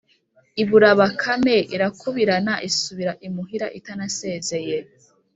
ibura bakame; irakubirana isubira imuhira itanasezeye!